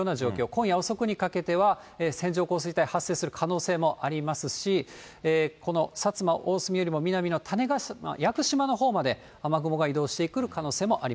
今夜遅くにかけては、線状降水帯、発生する可能性もありますし、この薩摩、大隅よりも南の種子島、屋久島のほうまで、雨雲が移動してくる可